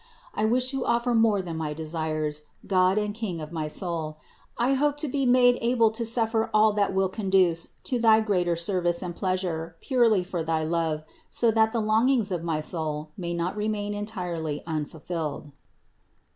I wish to offer more than my desires, God and King of my soul, I hope to be made able to suffer all that will conduce to thy greater service and pleasure purely for thy love, so that the longings of my soul may not remain entirely unfulfilled."